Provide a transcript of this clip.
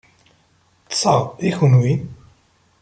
Ṭṣeɣ, i kenwi?